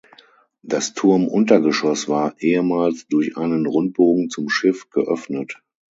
Das Turmuntergeschoss war ehemals durch einen Rundbogen zum Schiff geöffnet.